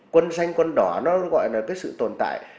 quân xanh quân đỏ nó gọi là cái sự tồn tại